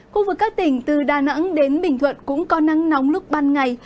khu vực các tỉnh từ đà nẵng đến bình thuận cũng có nắng nóng lúc ban ngày